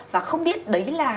và không biết đấy là